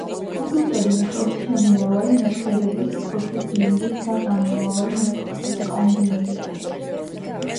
კომპიუტერი მუშაობს შემომავალი, მეხსიერების, პროცესინგის და გამომავალი ინფორმაციის კომბინირებით.